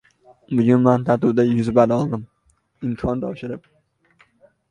— Nima deganingiz bu?